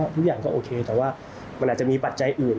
ทุกอย่างก็โอเคแต่ว่ามันอาจจะมีปัจจัยอื่น